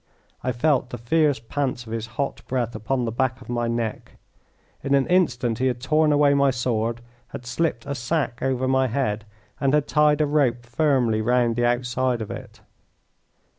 I felt the fierce pants of his hot breath upon the back of my neck. In an instant he had torn away my sword, had slipped a sack over my head, and had tied a rope firmly round the outside of it.